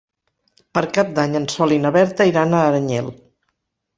Per Cap d'Any en Sol i na Berta iran a Aranyel.